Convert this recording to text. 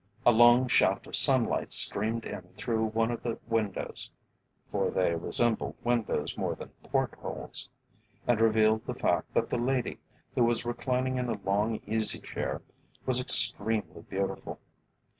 A long shaft of sunlight streamed in through one of the windows (for they resembled windows more than port holes) and revealed the fact that the lady, who was reclining in a long easy chair, was extremely beautiful.